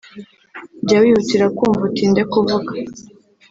jya wihutira kumva utinde kuvuga